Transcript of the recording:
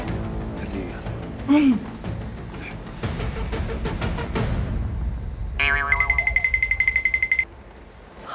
อย่างนี้เหรอ